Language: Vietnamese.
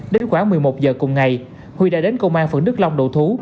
đến khoảng một mươi một h cùng ngày huy đã đến công an phận đức long đổ thú